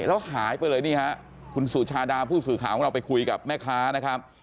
แล้วหายไปเลยนี่ฮะคุณสุชาดาผู้สื่อข่าวของเราไปคุยกับแม่ค้านะครับ